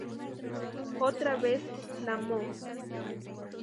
Otra vez la mo.